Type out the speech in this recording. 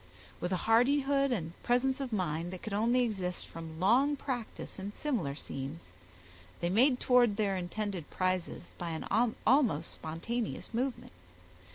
With a hardihood and presence of mind that could only exist from long practice in similar scenes, they made towards their intended prizes, by an almost spontaneous movement.